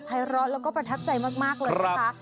ร้อนแล้วก็ประทับใจมากเลยนะคะ